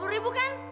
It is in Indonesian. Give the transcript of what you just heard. rp dua puluh kan